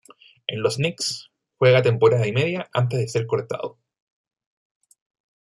En los Knicks juega temporada y media antes de ser cortado.